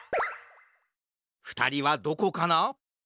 ふたりはどこかな？